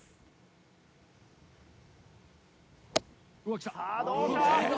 きた！